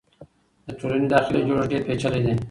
د ټولنې داخلي جوړښت ډېر پېچلی دی.